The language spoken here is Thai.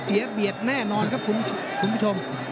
เบียดแน่นอนครับคุณผู้ชม